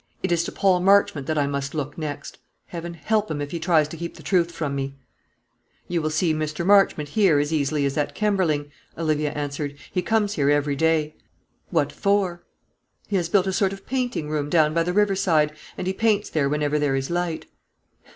It is to Paul Marchmont that I must look next. Heaven help him if he tries to keep the truth from me." "You will see Mr. Marchmont here as easily as at Kemberling," Olivia answered; "he comes here every day." "What for?" "He has built a sort of painting room down by the river side, and he paints there whenever there is light."